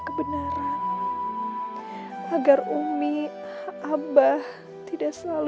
kebenaran agar umi abah tidak selalu